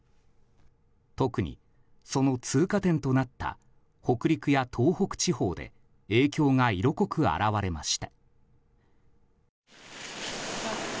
特に、その通過点となった北陸や東北地方で影響が色濃く表れました。